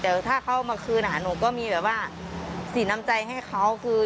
แต่ว่าถ้าเขาเอามาคืนอ่ะหนูก็มีแบบว่าสินทร์น้ำใจให้เขาคือ